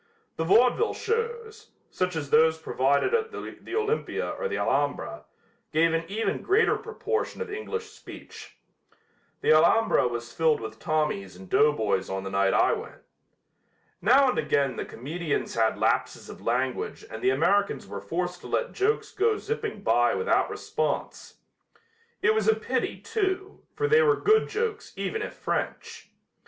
The vaudeville shows, such as those provided at the Olympia or the Alhambra, gave an even greater proportion of English speech. The Alhambra was filled with Tommies and doughboys on the night I went. Now and again the comedians had lapses of language and the Americans were forced to let jokes go zipping by without response. It was a pity, too, for they were good jokes even if French.